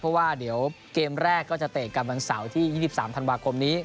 เพราะว่าเดี๋ยวเกมแรกก็จะเตะกันวันเสาร์ที่๒๓ธันวาคมนี้